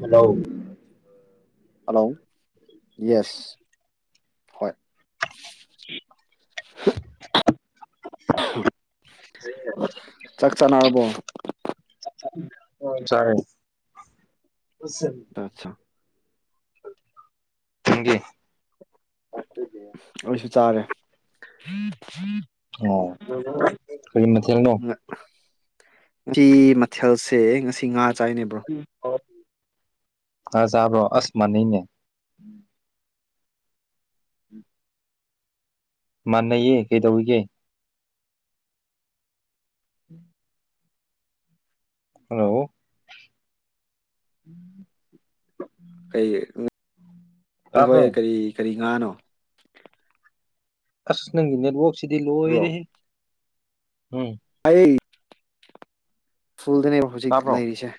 ꯍꯜꯂꯧ hello yes ꯍꯣꯏ [unintelligible] ꯁꯤ ꯆꯥꯛ ꯆꯥꯅꯔꯕꯣ ꯑ ꯁꯔꯦ ꯑꯠꯆꯥ ꯊꯦꯡꯒꯤ ꯑꯩꯁꯨ ꯆꯥꯔꯦ ꯎꯝ ꯎꯝ ꯑꯣ ꯀꯔꯤ ꯅꯦꯜꯅꯣ ꯉ- ꯃꯊꯦꯜꯁꯦ ꯉꯁꯤ ꯉꯥ ꯆꯥꯏꯅꯦꯕ꯭ꯔꯣ ꯎꯝ ꯔꯖꯥꯔꯕꯣ ꯑꯁꯃꯅꯤꯅꯦ ꯎꯝ ꯃꯥꯟꯅꯩꯌꯦ ꯀꯩꯗꯧꯏꯒꯦ ꯎꯝ ꯍꯜꯂꯣ ꯀꯩ ꯎ ꯍꯣꯏ ꯇꯥꯕ꯭ꯔꯣ ꯀꯔꯤ ꯈꯔꯤ ꯉꯅꯣ ꯑꯁ ꯅꯪꯒꯤ ꯅꯦꯠꯋꯛ ꯁꯤꯗꯤ ꯂꯣꯏ ꯔꯦꯒꯦ ꯎꯝ ꯑꯩꯠ ꯐꯨꯜꯗꯅꯦꯕ ꯍꯧꯖꯤꯛ ꯇꯥꯕ꯭ꯔꯣ ꯂꯩꯔꯤꯁꯦ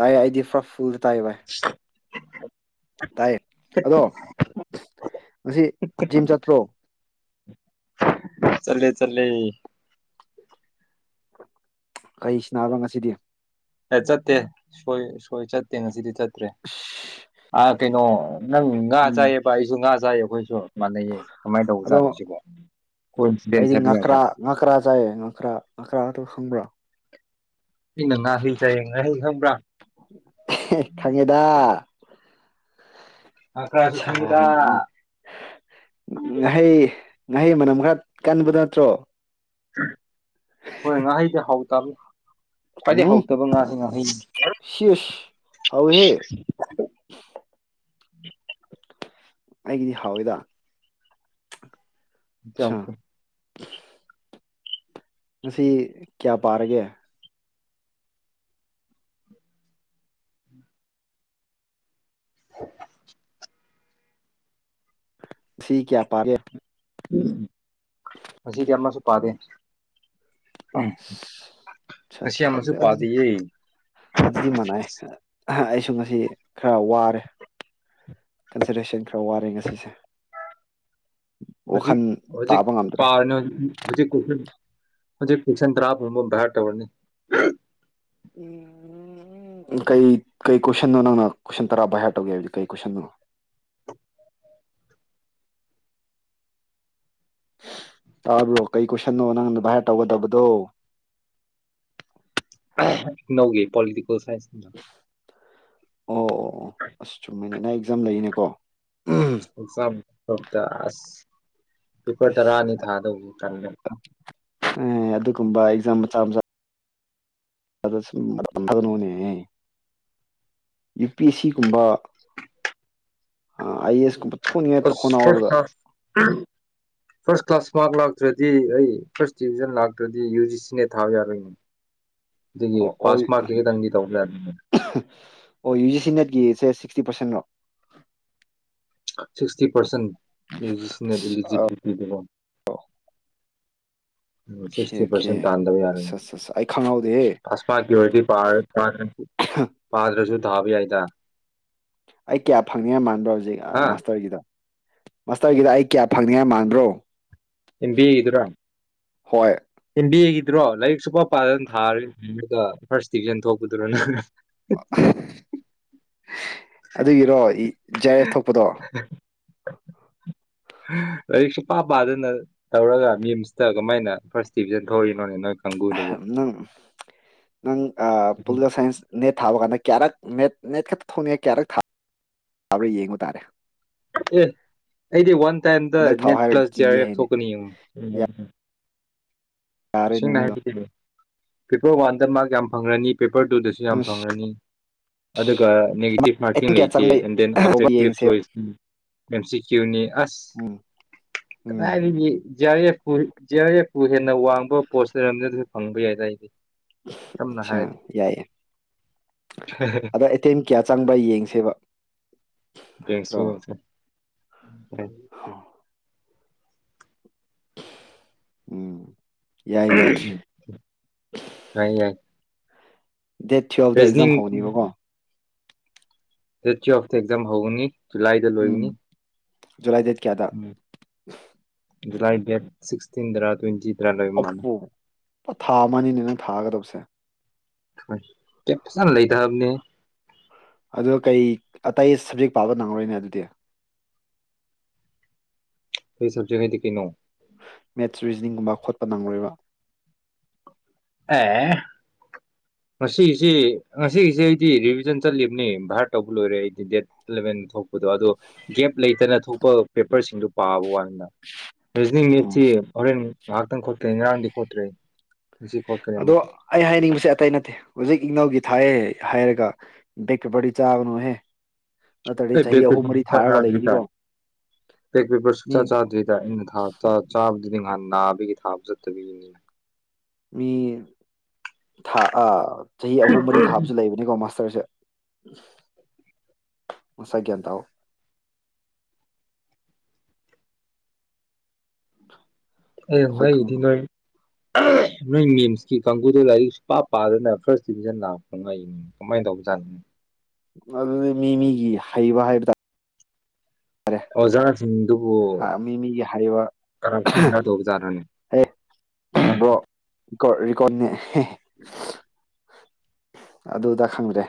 ꯇꯥꯏ ꯑꯩꯗꯤ ꯄꯨꯔꯥ ꯐꯨꯜ ꯇꯥꯏ ꯕꯥꯏ ꯇꯥꯏꯌꯦ ꯑꯗꯣ ꯉꯁꯤ ꯖꯤꯝ ꯆꯠꯇ꯭ꯔꯣ ꯆꯠꯂꯦ ꯆꯠꯂꯦ ꯀꯩ ꯁꯅꯥꯕ ꯉꯁꯤꯗꯤ ꯍꯠꯇꯦ ꯁꯣꯏ ꯁꯣ ꯆꯠꯇ ꯉꯁꯤꯗꯤ ꯆꯠ ꯑꯁ ꯑ ꯀꯩꯅꯣ ꯅꯪ ꯉꯥ ꯎꯝ ꯆꯥꯏꯌꯦꯕ ꯑꯩꯏꯁꯨ ꯉꯥ ꯆꯥꯏ ꯑꯩꯈꯣꯏꯁꯨ ꯃꯥꯟꯅꯩꯌꯦ ꯀꯃꯥꯏꯅ ꯑꯗꯣ ꯇꯧꯕꯖꯥꯠꯅꯣ ꯁꯤꯕꯣ ꯑꯩꯗꯤ ꯀꯣꯏꯟꯁꯤꯗꯦꯟꯁꯕꯤ ꯌꯥꯕ ꯆꯔ ꯑꯗꯨ ꯈꯪꯕ꯭ꯔꯥ ꯉꯥ ꯍꯨꯏ ꯆꯠꯂꯦ ꯉꯥꯔꯤꯟ ꯈꯪꯕ꯭ꯔꯥ ꯍꯦ ꯈꯪꯉꯦꯗ ꯉꯥꯀꯔꯥ ꯁꯨ ꯁꯥ ꯈꯣꯉꯦꯗ ꯉꯍꯩ ꯃꯅꯝ ꯈꯔ ꯀꯟꯕꯗꯨ ꯅꯠꯇ꯭ꯔꯣ ꯎꯝ ꯍꯣꯏ ꯉꯥꯍꯩ ꯗꯤ ꯍꯥꯎ ꯇꯥꯕꯅꯔ ꯎꯝ ꯁꯤꯦꯁ ꯍꯥꯎꯋꯦꯍꯦ ꯑꯩꯒꯤꯗꯤ ꯍꯥꯎꯋꯦꯗ ꯆ ꯊ [unintelligible] [inaudible] ꯍꯥ [inaudible] ꯉꯁꯤ ꯀꯌꯥ ꯄꯥꯔꯒꯦ ꯀꯌꯥ ꯄꯥꯔꯦ ꯎꯝ ꯉꯁꯤꯗꯤ ꯑꯃꯁꯨ ꯄꯥꯗꯦ ꯎꯝ ꯑꯆꯥ ꯉꯁꯤ ꯑꯆꯥ ꯑꯗꯨ ꯑꯃꯁꯨ ꯑꯗꯨꯗꯤ ꯄꯥꯗꯤꯌꯦ ꯑꯗꯨꯗꯤ ꯃꯅꯥꯏ ꯑꯩꯁꯨ ꯉꯁꯤ ꯈꯔ ꯋꯥꯔꯦ ꯀꯟꯁꯤꯇꯔꯦꯁꯟ ꯈꯔ ꯋꯥꯔꯦ ꯉꯁꯤꯁꯦ ꯍꯧꯖꯤꯛ ꯋꯥꯈꯜ ꯍꯧꯖꯤꯛ ꯇꯥꯕ ꯉꯝꯗ꯭ꯔꯦ ꯄꯥꯔꯤ ꯍꯧꯖꯤꯛ ꯃꯖꯤꯦ ꯐꯁꯟꯇ꯭ꯔꯥꯞꯨꯝꯕ ꯍꯔ ꯇꯧꯔꯅꯤ ꯎꯝ ꯀꯩ ꯀꯩ ꯀꯣꯏꯁꯟꯣ ꯅꯪꯅ ꯀꯣꯏꯁꯟ ꯇꯔꯥ ꯚꯏꯍꯔ ꯇꯧꯒꯦ ꯍꯥꯏꯕꯗꯤ ꯀꯩ ꯀꯣꯏꯁꯟꯣꯅꯣ ꯇꯥꯕ꯭ꯔꯣ ꯀꯩ ꯀꯣꯏꯁꯟꯅꯣ ꯅꯪꯅ ꯚꯥꯏꯌꯥꯔ ꯇꯧꯒꯗꯕꯗꯣ ꯅꯧꯒꯤ ꯄꯣꯂꯤꯇꯤ ꯀꯣ ꯐꯥꯏꯁꯤꯅ ꯑꯣ ꯑꯣ ꯑꯁ ꯆꯨꯝꯃꯤꯅꯦ ꯆꯝ ꯂꯩꯏꯅꯦꯀꯣ ꯑꯣꯗꯥꯁ ꯄꯦꯄꯔ ꯇꯔꯥ ꯑꯁ ꯑꯅꯤ ꯊꯥꯗꯧꯁꯦ ꯀꯜꯃꯦ ꯑꯦ ꯑꯗꯨꯒꯨꯝꯕ ꯑꯦꯛꯖꯥꯝ ꯃꯆꯥ ꯃꯆꯥ ꯣꯅ ꯌꯨ ꯄꯤ ꯑꯦꯁ ꯁꯤ ꯀꯨꯝꯕ ꯑꯦ ꯑꯦꯁ ꯀꯨꯝꯕ ꯊꯣꯛꯅꯤꯡꯉꯥꯏ ꯑ ꯐ ꯍꯣꯠꯅꯕꯗ ꯀ ꯀ꯭ꯂꯥꯁ ꯐꯁ ꯀ꯭ꯂꯥꯁ ꯏꯁ ꯃꯥꯔ ꯂꯥꯛꯇ꯭ꯔꯗꯤ ꯑꯩ ꯐꯥꯔꯁ ꯗꯤꯕꯤꯖꯟ ꯂꯥꯛꯇ꯭ꯔꯗꯤ ꯌꯨ ꯖꯤ ꯁꯤꯅꯦ ꯊꯥꯕ ꯌꯥꯔꯣꯏꯅꯦ ꯑꯗꯨꯒꯤ ꯑꯣ ꯄꯥꯁꯃꯔꯛꯀꯤ ꯇꯪꯗꯤ ꯇꯧꯕ ꯌꯥ ꯑꯣ ꯌꯨ ꯖꯤ ꯁꯤ ꯅꯦꯠꯀꯤꯁꯦ ꯁꯤꯛꯁꯇꯤ ꯄꯥꯔꯁꯦꯟꯔꯣ ꯁꯤꯛꯁꯇꯤ ꯄꯔꯁꯦꯟ [unintelligible] ꯑꯁ [unintelligible] ꯑꯣꯀꯦ ꯁꯤꯛꯁꯇꯤ ꯑꯣꯀꯦ ꯄꯥꯔꯁꯦꯟ ꯇꯥꯟꯗꯕ ꯌꯥꯔꯅꯤ ꯑꯁ ꯑꯩ ꯈꯪꯍꯧꯗꯦꯍꯦ ꯄꯥꯁꯃꯥ ꯀ꯭ꯌꯣꯔꯤꯇꯤ ꯄꯥꯗ꯭ꯔꯁꯨ ꯊꯕ ꯌꯥꯏꯗ ꯑꯩ ꯀꯌꯥ ꯐꯪꯅꯤꯉ ꯃꯥꯟꯕ꯭ꯔꯣ ꯍꯧꯖꯤꯛ ꯍꯥ ꯃꯥꯁꯇꯔꯒꯤꯗ ꯃꯥꯁꯇꯔꯒꯤꯗ ꯑꯩ ꯀꯌꯥ ꯐꯪꯅꯤꯉꯥꯏ ꯃꯥꯟꯕ꯭ꯔꯣ ꯑꯦꯟ ꯗꯤ ꯑꯦ ꯒꯤꯗꯨꯔꫭ ꯍꯣꯏ ꯑꯦꯟ ꯗꯤ ꯑꯦ ꯗꯨꯔꫭ ꯂꯥꯏꯔꯤꯛ ꯁꯨꯄꯥ ꯄꯥꯗꯅ ꯊꯥꯔ ꯐꯥꯔꯁ ꯗꯤꯕꯤꯖꯟ ꯊꯣꯛꯄꯗꯨꯔꯣ ꯅꯪ [inaudible] ꯑꯗꯨꯒꯤꯔꯣ ꯖꯥꯏ ꯑꯦꯐ ꯊꯣꯛꯄꯗꯣ [inaudible] ꯂꯥꯏꯔꯤꯛ ꯁꯨꯞ ꯄꯥ ꯄꯥꯗꯅ ꯇꯧꯔꯒ ꯃꯤꯝꯁꯇ ꯀꯃꯥꯏꯅ ꯐꯥꯔꯁ ꯗꯤꯕꯤꯖꯟ ꯊꯣꯛꯔꯤꯅꯣꯅꯦ ꯅꯣꯏ ꯀꯥꯡꯕꯨꯗꯨꯕꯨ ꯅꯪ ꯅꯪ ꯄꯣꯂꯤꯇꯤꯀꯦꯜ ꯁꯥꯏꯟꯁ ꯅꯦꯠ ꯊꯥꯕ ꯀꯥꯟꯗ ꯀꯌꯥꯔꯛ ꯅꯦꯠ ꯅꯦꯠ ꯈꯛꯇ ꯊꯣꯡꯅꯤꯡꯉꯦ ꯀꯌꯥꯔꯛ ꯊꯥꯥꯕ꯭ꯔꯥ ꯌꯦꯡꯕꯨ ꯇꯥꯔꯦ ꯑꯦ ꯑꯩꯗꯤ ꯋꯥꯟ ꯇꯥꯏꯝꯗ ꯍꯟꯗꯛ ꯊꯥꯎ ꯅꯦꯠ ꯍꯥꯏꯔꯒ ꯄ꯭ꯂꯁ ꯖꯤ ꯀꯤ ꯑꯥꯔ ꯑꯦꯐ ꯍꯥꯏꯅꯤ ꯊꯣꯛꯀꯅꯤ ꯌꯦꯡꯉꯨ ꯌꯥꯔꯦꯅꯦ ꯅꯪꯗꯣ ꯁꯤꯅꯥꯗꯤ [unintelligible] ꯄꯤꯄꯔ ꯋꯥꯟꯗ ꯃꯥꯔꯛ ꯌꯥꯝ ꯐꯪꯉꯅꯤ ꯄꯦꯄꯔ ꯇꯨꯗꯁꯨ ꯌꯥꯝ ꯑꯁ ꯐꯪꯉꯅꯤ ꯑꯗꯨꯒ ꯅꯦꯒꯦꯇꯤꯞ ꯃꯥꯔꯀꯤꯡ ꯑꯦꯇꯤꯟ ꯀꯌꯥ ꯂꯩꯇꯦ ꯆꯪꯕꯩ ꯑꯦꯟ ꯗꯦꯟ ꯇꯧꯕ ꯑꯣꯞꯖꯦꯛꯇꯤꯞ ꯌꯦꯡꯁꯦꯕ ꯆꯣꯏꯁꯅꯤ ꯑꯦꯝ ꯁꯤ ꯀ꯭ꯌꯨꯅꯤ ꯑꯁ ꯎꯝ ꯎꯝ ꯀꯗꯥꯏꯗꯒꯤ ꯖꯤ ꯑꯥꯔ ꯑꯦꯐ ꯄꯨ ꯖꯤ ꯑꯥꯔ ꯑꯦꯐ ꯄꯨ ꯍꯦꯟꯅ ꯋꯥꯡ ꯄꯣꯠꯁ ꯂꯩꯔꯝꯗ ꯑꯗꯨ ꯐꯪꯕ ꯌꯥꯏꯏꯗꯤ ꯑꯆꯥ ꯌꯥꯏꯌꯦ ꯑꯗꯣ ꯑꯇꯦꯝ ꯀꯌꯥ ꯆꯪꯕ ꯌꯦꯡꯁꯦꯕ ꯌꯦꯡꯁꯦ ꯅꯠꯇ꯭ꯔꯣ ꯌꯦꯡꯁꯦ [inaudible] ꯎꯝ ꯌꯥꯏ ꯌꯥꯏ [unintelligible] ꯌꯥꯏ ꯌꯥꯏ ꯗꯦꯠ ꯊꯨꯋꯦꯜꯄꯇ ꯑꯦꯛꯖꯥꯝ ꯔꯤꯖꯅꯤꯡ ꯍꯧꯕꯅꯦꯕꯀꯣ ꯗꯦꯠ ꯇꯨꯋꯦꯜꯄꯇ ꯑꯦꯛꯖꯥꯝ ꯍꯧꯒꯅꯤ ꯖꯨꯂꯥꯏꯗ ꯎꯝ ꯂꯣꯏꯒꯅꯤ ꯖꯨꯂꯥꯏ ꯗꯦꯠ ꯀꯌꯥꯗ ꯎꯝ ꯖꯨꯂꯥꯏ ꯗꯦꯠ ꯁꯤꯛꯁꯇꯤꯟꯗꯔ ꯇ꯭ꯋꯦꯟꯇꯤ ꯑꯣꯄꯣ ꯊꯥ ꯑꯃꯅꯤꯅꯦ ꯅꯪ ꯊꯥꯒꯗꯕꯁꯦ ꯍꯣꯏ ꯀꯦꯞꯁꯅ ꯂ ꯊ ꯑꯕꯅꯦ ꯑꯗꯣ ꯀꯩ ꯑꯇꯩ ꯁꯕꯖꯦꯛ ꯄꯥꯕ ꯅꯪꯉꯔꯣꯏꯅꯦ ꯑꯗꯨꯗꯤ ꯑꯩ ꯁꯖꯉꯩꯗꯤ ꯀꯩꯅꯣ ꯃꯦꯠꯁ ꯔꯤꯖꯅꯤꯡꯒꯨꯝꯕ ꯈꯣꯠꯄ ꯅꯪꯉꯣꯏꯕ ꯑꯦ ꯉꯁꯤꯒꯤꯁꯤ ꯉꯁꯤꯒꯤꯁꯤ ꯑꯩꯗꯤ ꯔꯤꯚꯤꯖꯟ ꯆꯠꯂꯤꯕꯅꯤ ꯚꯥꯔ ꯇꯧꯕ ꯂꯣꯏꯔꯦ ꯑꯩꯗꯤ ꯗꯦꯠ ꯏꯂꯕꯦꯟ ꯊꯣꯛꯄꯗꯣ ꯑꯗꯣ ꯒꯦꯞ ꯂꯩꯇꯅ ꯊꯣꯛꯄ ꯄꯦꯄꯔꯁꯤꯡꯗꯨ ꯄꯥꯕ ꯋꯥꯅꯤ ꯔꯤꯖꯅꯤꯡ ꯎꯝ ꯃꯠꯁꯤ ꯍꯣꯔꯦꯟ ꯉꯥꯏꯍꯥꯛꯇꯪ ꯈꯣꯠꯇ꯭ꯔꯦ ꯉꯔꯥꯡꯗꯤ ꯈꯣꯠꯇ꯭ꯔꯦ ꯉꯁꯤ ꯈꯣꯠꯀꯅꯤ ꯑꯗꯣ ꯑꯃꯨꯛꯀ ꯑꯩ ꯍꯥꯏꯅꯤꯡꯕꯁꯦ ꯑꯇꯩ ꯅꯠꯇꯦ ꯍꯧꯖꯤꯛ ꯏꯅꯧꯒꯤ ꯊꯥꯏꯑ ꯍꯥꯏꯔꯒ ꯕꯦꯛ ꯄꯦꯗꯤ ꯆꯥꯒꯥꯅꯨꯍꯦ ꯑꯩ ꯕꯥꯏꯛ ꯄꯥꯄꯦꯔ ꯁꯨꯡꯆꯥ ꯆꯥꯗꯔꯤꯗ ꯕꯥꯏꯛ ꯄꯥꯄꯦꯔ ꯃꯤ ꯁꯨꯡꯆꯥ ꯆꯥꯗꯔꯤꯗ ꯑꯩ ꯉꯍꯟ ꯅꯥ ꯕꯒꯤ ꯊꯥꯕ ꯆꯠꯇꯕꯒꯤ ꯅꯤꯅꯦ ꯃꯤ ꯊꯥ ꯑ ꯆꯍꯤ ꯑꯍꯨꯝ ꯃꯔꯤ ꯊꯥꯕꯁꯨ ꯂꯩꯕꯅꯤꯀꯣ ꯃꯥꯁꯇꯔꯁꯦ ꯃꯁꯥ ꯒꯤꯌꯟ ꯇꯧ ꯑꯦꯉ ꯑꯩꯈꯣꯏ ꯏꯗꯤ ꯈꯪ ꯅꯣꯏ ꯅꯣꯏ ꯅꯤꯝꯁꯀꯤ ꯀꯥꯡꯕꯨꯗ ꯂꯥꯏꯔꯤꯛ ꯁꯨ ꯄ ꯄꯥꯗꯅ ꯐꯥꯔꯁ ꯗꯤꯚꯖꯟ ꯂꯥꯛꯄ ꯉꯥꯏꯅꯤ ꯀꯃꯥꯏꯅ ꯇꯧꯕꯖꯥꯠꯅꯣ ꯑꯗꯨꯗꯤ ꯃꯤ ꯃꯤꯒꯤ ꯍꯩꯕ ꯍꯥꯏꯕ ꯇꯥꯔꯦ ꯑꯣꯖꯥꯔꯁꯤꯡꯗꯨꯕꯨ ꯇꯥꯔꯦ ꯃꯤ ꯃꯤꯒꯤ ꯍꯩꯕ ꯀꯔꯞꯁꯟ ꯈ ꯇꯧꯕꯖꯥꯠꯂꯅꯦ ꯀꯣꯔ ꯦꯀꯣꯔꯅꯦ [unintelligible] ꯎꯝ ꯑ ꯑꯗꯨꯗ ꯈꯪꯗ꯭ꯔꯦ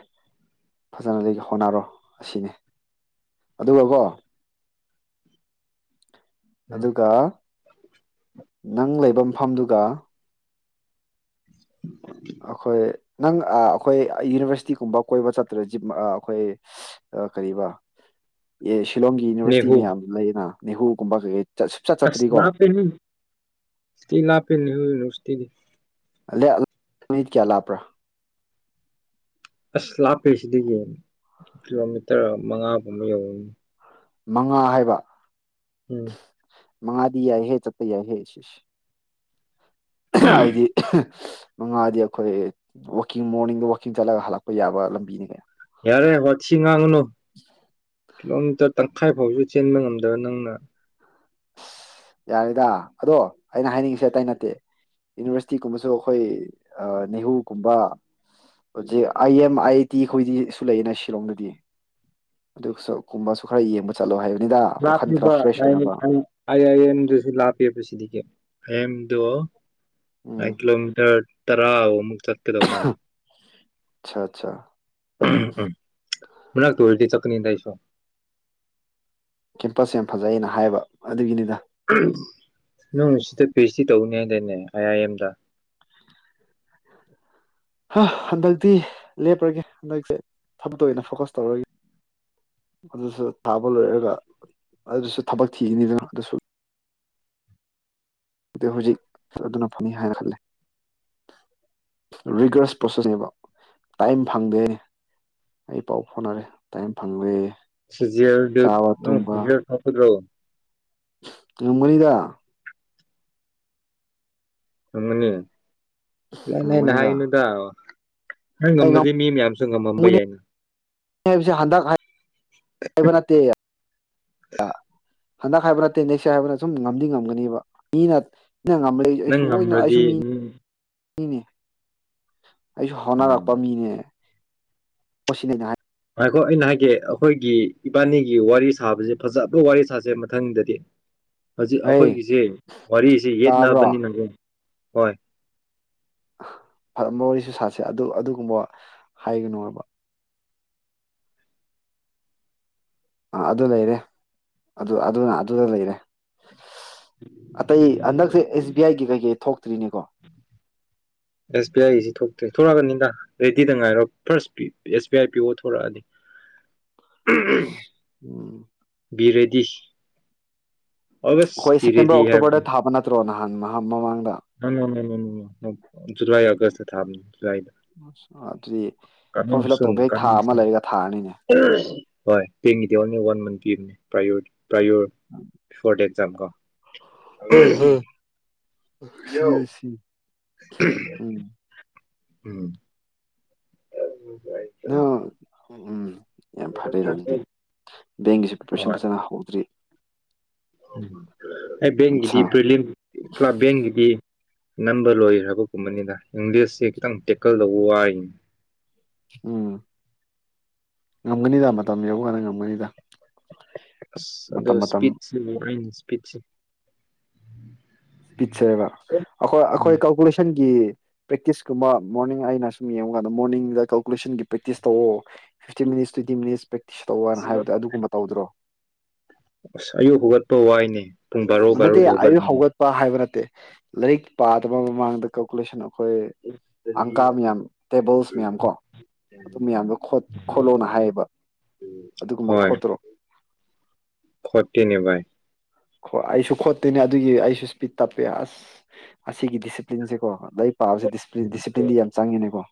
ꯐꯖꯅ ꯍꯣꯠꯅꯔꯣ ꯑꯁꯤꯅꯤ ꯑꯗꯨꯒꯀꯣ ꯑꯗꯨꯒ ꯅꯪ ꯂꯩꯕ ꯃꯐꯝꯗꯨꯒ [unintelligible] ꯑꯩꯈꯣꯏ ꯅꯪ ꯑꯩꯈꯣꯏ ꯌꯨꯅꯤꯚꯔꯁꯤꯇꯤꯒꯨꯝꯕ ꯀꯣꯏꯕ ꯆꯠꯇ꯭ꯔꯖꯤꯝ ꯑꯩꯈꯣꯏ ꯀꯔꯤꯕ ꯁꯤꯤꯂꯣꯝꯒꯤ ꯌꯨꯅꯤꯚꯔꯁꯤꯇꯤ ꯅꯦꯍꯨ ꯃꯌꯥꯝꯁꯨ ꯂꯩꯌꯦꯅ ꯅꯦꯍꯨꯒꯨꯝꯕ ꯀꯩ ꯑꯁ ꯂ ꯄꯦꯅꯤ ꯏꯁꯇꯤ ꯂꯥ ꯄꯅꯤ ꯔꯣꯁꯇꯤꯗꯤ ꯑ ꯑꯥꯃꯤꯗ ꯀꯌꯥ ꯂꯥꯄ꯭ꯔꯥ ꯑꯁ ꯂꯥꯞꯄꯔꯤꯁꯤꯗꯒꯤ ꯀꯤꯂꯣꯃꯤꯇꯔ ꯃꯉꯥ ꯐꯥꯎ ꯑꯃ ꯌꯧꯔꯅꯤ ꯃꯉꯥ ꯍꯥꯏꯕ ꯎꯝ ꯃꯥꯗꯤ ꯌꯥꯏ ꯍꯦ ꯆꯠꯠꯇ ꯌꯥ ꯍꯦ ꯁꯤꯦꯁ ꯍꯥꯏꯗꯤ ꯃꯉꯥꯗꯤ ꯑꯩꯈꯣꯏ ꯋꯥꯋꯀꯤꯡ ꯃꯣꯔꯅꯤꯡꯗ ꯋꯥꯋꯥꯛꯀꯤꯡ ꯆꯠꯂꯒ ꯍꯜꯂꯛꯄ ꯌꯥꯕ ꯂꯝꯕꯤꯅꯤ ꯀꯌꯥ ꯌꯥꯔꯦ ꯍꯆꯤꯡ ꯉꯥꯡꯅꯣ ꯀꯂꯣꯇ ꯇꯪꯈꯥꯏ ꯐꯥꯎꯁꯨ ꯆꯦꯟꯕ ꯉꯝꯗꯕ ꯅꯪꯅ ꯌꯥꯔꯦꯗ ꯑꯗꯣ ꯑꯩꯅ ꯍꯥꯏꯅꯤꯡꯉꯤꯁꯦ ꯑꯇꯩꯏ ꯅꯠꯇꯦ ꯌꯨꯅꯤꯚꯔꯁꯤꯇꯤꯒꯨꯝꯕꯁꯨ ꯑꯩꯈꯣꯏ ꯅꯦꯍꯨꯒꯨꯝꯕ ꯍꯧꯖꯤ ꯑ ꯑꯦꯦꯝ ꯑ ꯇꯤ ꯑꯩꯈꯣꯏꯗꯤ ꯁꯨ ꯂꯩꯌꯦꯅ ꯁꯤꯂꯣꯡꯗꯗꯤ ꯑꯗꯨ ꯀꯨꯝꯕꯁꯨ ꯈꯔ ꯌꯦꯡꯕ ꯆꯠꯂꯣ ꯍꯥꯏ ꯂꯥꯛꯄꯤꯕ ꯑꯥꯏ ꯑꯦꯝꯗꯨꯁꯨ ꯂꯥꯛꯄꯤꯕ ꯁꯤꯗꯒꯤ ꯑꯍꯦꯝꯗꯣ ꯄ ꯎꯝ ꯀꯤꯂꯣꯃꯤꯇꯔ ꯇꯔꯥ ꯑꯃꯨꯛ ꯆꯠ ꯇꯔꯣꯃꯜ ꯑꯆꯥ ꯑꯆꯥꯆꯥ ꯃꯅꯥ ꯇꯣ ꯑꯣꯜꯤ ꯆꯀꯅꯤ ꯇꯏꯁꯣ ꯀꯦꯝꯄꯁ ꯌꯥꯝ ꯐꯖꯩꯑꯅ ꯍꯥꯏꯕ ꯑꯗꯨꯒꯤꯅꯤꯗ ꯅꯪ ꯁꯤꯗ ꯄꯤ ꯑꯩꯆ ꯗꯤ ꯇꯧꯅꯤ ꯍꯥꯏꯗꯅꯦ ꯑꯥꯏ ꯑꯥꯏ ꯑꯦꯝꯗ ꯍꯟꯗꯛꯇꯤ ꯂꯦꯞꯄꯒꯦ ꯍꯟꯗꯛꯁꯦ ꯊꯕꯛꯇ ꯑꯣꯏꯅ ꯐꯣꯀꯁ ꯇꯧꯔꯒꯦ ꯑꯗꯨꯁꯨ ꯊꯥꯕ ꯂꯣꯏꯔꯒ ꯑꯗꯨꯁꯨ ꯊꯕꯛ ꯊꯤꯒꯅꯤꯗꯅ ꯑꯗꯨꯁꯨ ꯑꯗꯨ ꯍꯧꯖꯤꯛ ꯑꯗꯨꯅ ꯐꯅꯤ ꯍꯥꯏꯅ ꯈꯂꯦ ꯔꯤꯒ꯭ꯔꯁ ꯄ꯭ꯔꯣꯁꯦꯁꯅꯦꯕ ꯇꯥꯏꯝ ꯐꯪꯗꯦ ꯑꯩ ꯄꯥꯎ ꯐꯥꯎꯅꯔꯦ ꯇꯥꯏꯝ ꯐꯪꯗꯦ ꯁꯤꯨꯖꯤꯌꯥ ꯗ ꯆꯥꯕ ꯑ ꯁꯤꯨꯖꯤꯌꯥꯔ ꯊꯐꯗ꯭ꯔꯣ ꯑꯒꯅꯤꯗ ꯑꯉꯅꯤ ꯂꯩ ꯂꯩ ꯅꯍ ꯉꯝꯒꯅꯤꯗ ꯏꯅꯗ ꯅꯪ ꯑꯩ ꯉꯝꯃꯗꯤ ꯃꯤ ꯃꯌꯥꯝꯁꯨ ꯉꯝꯃꯝꯕ ꯉꯝꯒꯅꯤ ꯌꯥꯏꯅꯥ꯫ ꯍꯥꯏꯕꯁꯦ ꯍꯟꯗꯛ ꯍꯥꯢ ꯍꯥꯏꯕ ꯅꯠꯇꯦ꯫ ꯑꯥ꯫ ꯍꯟꯗꯛ ꯍꯥꯏꯕ ꯅꯠꯇꯦ ꯅꯦꯛꯁ ꯍꯥꯏꯕꯅ ꯁꯨꯝ ꯉꯝꯗꯤ ꯉꯝꯒꯅꯤꯕ ꯃꯤꯅ ꯅꯪ ꯉꯝꯂꯛꯏꯁ ꯅꯪ ꯑꯩꯁꯨ ꯑꯣꯏꯅ ꯑꯩꯁꯨ ꯉꯝꯃꯗꯤ ꯃꯤ ꯏꯅꯦ꯫ ꯑꯩꯖꯨ ꯎꯝ ꯍꯥꯅꯥꯔꯛꯄ ꯃꯤꯅꯦ꯫ ꯑꯣꯁꯤꯅꯦ ꯅꯥꯍꯥꯢ ꯉꯥꯢꯈꯣ ꯑꯩꯅ ꯍꯥꯏꯒꯦ ꯑꯈꯣꯏꯒꯤ ꯏꯕꯥꯟꯅꯤꯒꯤ ꯋꯥꯔꯤ ꯁꯥꯕꯖꯦ ꯐꯖꯕ ꯋꯥꯔꯤ ꯁꯥꯁꯦ ꯃꯊꯪꯗꯗꯤ꯫ ꯍꯣꯖꯤꯛ ꯍꯩ ꯑꯈꯣꯏꯒꯤꯖꯦ ꯋꯥꯔꯤꯁꯤ ꯇꯥꯕ꯭ꯔꯣ ꯌꯦꯠꯅꯕꯅꯤꯅꯪꯅꯦ ꯍꯣꯏ꯫ ꯐ ꯃꯋꯥꯔꯤꯁꯨ ꯁꯥꯁꯦ ꯑꯗꯨ ꯑꯗꯨꯒꯨꯝꯕ ꯍꯥꯏꯒꯅꯣꯕ꯫ ꯑꯥ ꯑꯗꯨ ꯂꯩꯔꯦ ꯑꯗꯨ ꯑꯗꯨꯅ ꯑꯗꯨꯗ ꯂꯩꯔꯦ꯫ ꯑꯇꯩ ꯍꯟꯗꯛꯁꯦ ꯑꯦꯁ ꯕꯤ ꯑꯥꯏꯒꯤ ꯀꯩꯀꯩ ꯊꯣꯛ ꯑꯦꯁ ꯕꯤ ꯑꯥꯏꯁꯝ ꯊꯣꯛ ꯆꯦꯛꯊꯣꯔꯛꯒꯅꯤꯗꯥ ꯔꯦꯗꯤꯗ ꯉꯥꯏꯔꯣ first P S B I P ꯑꯣ ꯊꯣꯔꯛꯑꯅꯤ꯫ ꯎꯝꯎꯝ ꯎꯝ ꯕꯤꯔꯦ ꯗꯤ ꯍꯣꯏ ꯁꯦꯞꯇꯦꯝꯕꯔ ꯑꯣꯛꯇꯣꯕꯔꯗ ꯊꯥꯕ ꯅꯠ ꯗꯣ ꯅꯍꯥꯟ ꯃꯍꯥ ꯃꯃꯥꯡꯗ ꯅꯣꯅꯣꯅꯣꯅꯣꯅꯣꯅꯣ ꯅꯣꯠ ꯖꯨꯂꯥꯏ ꯑꯥꯒꯁꯇ ꯊꯥꯕꯅꯦ꯫ ꯑ ꯑꯗꯨꯗꯤ ꯐꯣꯔꯝ ꯀꯃꯤꯡ ꯐꯤꯜ ꯑꯞ ꯁꯨꯟ ꯇꯧꯕꯩ ꯊꯥ ꯀꯃꯤꯡ ꯑꯃ ꯁꯨꯟ ꯂꯩꯔꯒ ꯊꯥꯔꯅꯤꯅꯦ꯫ ꯍꯣꯏ ꯇꯦꯡꯒꯤꯗꯤ ꯑꯣꯟꯂꯤ ꯋꯥꯟ ꯃꯟ ꯄꯤꯕꯅꯤ ꯄ꯭ꯔꯥꯏꯌꯣꯔꯤ ꯄ꯭ꯔꯥꯏꯌꯣꯔ ꯐꯣꯔ ꯗꯦꯠ ꯆꯪꯒꯣ ꯑꯥ ꯍꯝ ꯁꯤ ꯑꯥꯁꯤ ꯎꯝ ꯎꯝ ꯅꯪ ꯎꯝ ꯎꯝ ꯌꯥꯝ ꯐꯔꯦꯅ ꯑꯗꯨꯗꯤ ꯕꯦꯡꯒꯤꯁꯨ ꯄ꯭ꯔꯤꯄ꯭ꯔꯦꯁꯟ ꯍꯣꯏ ꯐꯖꯅ ꯍꯧꯗ꯭ꯔꯤ ꯑꯩ ꯕꯦꯡꯒꯤꯗꯤ ꯑꯠꯁꯥ ꯄ꯭ꯔꯂꯤꯝ ꯀ꯭ꯂ ꯕꯦꯡꯒꯤꯗꯤ ꯑꯅꯝꯕ ꯂꯣꯏꯈ꯭ꯔꯕꯒꯨꯝꯕꯅꯤꯅ ꯏꯪꯂꯤꯁꯁ ꯈꯤꯇꯪ ꯇꯦꯛꯀꯜ ꯇꯧꯕ ꯋꯥꯏꯅꯤ ꯎꯝ ꯉꯝꯒꯅꯤꯗ ꯃꯇꯝ ꯌꯕꯀꯥꯟꯗ ꯉꯝꯒꯅꯤꯗ ꯑ ꯃꯇꯝ ꯑꯗꯨꯣ ꯃꯇꯝ ꯁꯄꯤ ꯄꯤꯆ ꯄꯤꯆꯦꯕ ꯑꯩꯈꯣꯏ ꯑꯩꯈꯣꯏ ꯀꯀꯨꯂꯁꯟ ꯒꯤ ꯄ꯭ꯔꯦꯛꯇꯤꯁ ꯀꯨꯝꯕ ꯃꯣꯔꯅꯤꯡ ꯑꯩꯅ ꯁꯨꯝ ꯌꯦꯡꯕ ꯀꯥꯟꯗ ꯃꯣꯔꯅꯤꯡꯗ ꯀꯜꯀꯨꯂꯦꯁꯟꯒꯤ ꯄ꯭ꯔꯦꯛꯇꯤꯁ ꯇꯧ fifteen minutes twenty minutes practice ꯇꯧ ꯍꯥꯏꯕꯣ ꯑꯗꯨꯒꯨꯝꯕ ꯇꯧꯗ꯭ꯔꯣ ꯑꯁ ꯑꯌꯨꯛ ꯍꯧꯒꯠꯄ ꯋꯥꯏꯅꯦ ꯄꯨꯡ ꯕꯥꯔꯣ ꯅꯗꯤ ꯕꯥꯔꯣꯗ ꯑꯌ ꯍꯧꯒꯠꯂꯤꯅꯦ ꯍꯧꯒꯠꯄ ꯍꯥꯏꯕ ꯅ ꯂꯥꯏꯔꯤꯛ ꯄꯥꯗꯕ ꯃꯃꯥꯡꯗ ꯀꯀꯨꯂꯦꯁꯟ ꯑꯩꯈꯣꯏ ꯑꯪꯀꯥ ꯃꯌꯥꯝ ꯇꯦꯕꯜꯁ ꯃꯌꯥꯝ ꯀꯣ ꯑꯗꯨ ꯃꯌꯥꯝꯗꯣ ꯈꯣꯠꯂꯣꯅ ꯍꯥꯏꯌꯦꯕ ꯑꯗꯨꯒꯨꯝꯕ ꯍꯣꯏ ꯈꯣꯠꯇ꯭ꯔꯣ ꯈꯣꯠꯇꯦꯅꯦ ꯚꯥꯏ ꯀꯣ ꯑꯩꯁꯨ ꯈꯣꯠꯇꯣꯏꯅꯦ ꯑꯗꯨꯒꯤ ꯑꯩꯁꯨ ꯏꯁꯄꯤꯠ ꯇꯞꯄꯦ ꯑꯁ ꯑꯁꯤꯒꯤ ꯗꯤꯁꯤꯄ꯭ꯂꯤꯟꯁꯦꯀꯣ ꯂꯥꯏꯔꯤꯛ ꯄꯥꯕꯁꯤ ꯗꯤꯁꯤꯄ꯭ꯂꯤꯟꯗꯤ ꯌꯥꯝ ꯆꯪꯉꯤꯅꯦꯀꯣ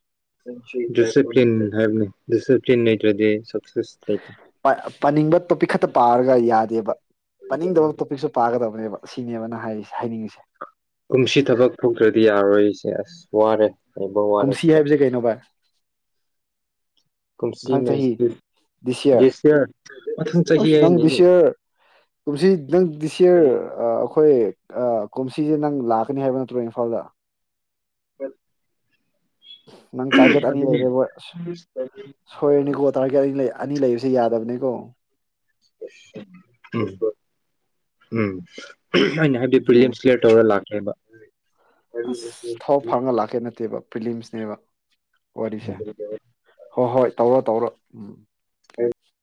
ꯁꯨꯔ ꯄꯂꯤꯟ ꯅ꯭ꯔꯗꯤ ꯄꯥꯅꯤꯡꯕ ꯇꯣꯄꯤꯛ ꯈꯛꯇ ꯄꯥꯔꯒ ꯌꯥꯗꯦꯕ ꯄꯥꯅꯤꯡꯗꯕ ꯇꯣꯄꯤꯛꯁꯨ ꯄꯥꯒꯗꯕ ꯅꯦꯕ ꯁꯤꯅꯦꯕꯅ ꯍꯥꯏꯔꯤꯁꯦ ꯎꯨꯝꯁꯤ ꯊꯕꯛ ꯐꯗ꯭ꯔꯗꯤ ꯌꯥꯔꯣꯏꯁ ꯑꯁ ꯋꯥꯔꯤꯦ ꯀꯨꯝꯁꯤ ꯍꯥꯏꯕꯁꯦ ꯀꯩꯅꯣ ꯚꯏ ꯀꯨꯝꯁꯤ ꯗꯤꯁ ꯌꯔ ꯃꯁꯦꯁꯤꯌꯥ ꯑꯪ ꯆ ꯑꯗꯨꯁꯤ ꯈꯤꯇꯪ ꯗꯤꯁ ꯌꯌꯔ ꯑꯩꯈꯣꯏ ꯑ ꯀꯨꯝꯁꯤꯁꯦ ꯅꯪ ꯂꯥꯛꯀꯅꯤ ꯍꯥꯏꯕ ꯅꯠꯇ꯭ꯔꯣ ꯏꯝꯐꯥꯜꯗ ꯍ ꯅꯪ ꯇꯥꯔꯒꯦꯠ ꯑꯅꯤ ꯂꯩꯔꯦꯕꯣꯏ ꯁꯣꯏꯔꯅꯤꯀꯣ ꯇꯥꯔꯒꯦꯠ ꯑꯅꯤ ꯂꯩ ꯑꯅꯤ ꯂꯩꯕꯁꯦ ꯌꯥꯗꯕꯅꯦꯀꯣ ꯎꯝ ꯎꯝ ꯑꯩꯅ ꯍꯥꯏꯕꯗꯤ ꯑꯗꯨꯅꯦ ꯄꯋꯤꯌꯝꯁꯦꯠꯧꯔꯒ ꯂꯥꯛꯈꯦꯕ ꯎꯝ ꯑꯁ ꯊꯥꯎ ꯐꯪꯉ ꯂꯥꯛꯀꯦ ꯅꯠꯇꯦꯕ ꯐꯤꯂꯤꯝꯁꯅꯦꯕ ꯋꯥꯔꯤꯁꯦ ꯍꯣꯏ ꯍꯣꯏ ꯇꯧꯔꯣ ꯇꯧꯔꯣ ꯎꯝ ꯎꯝ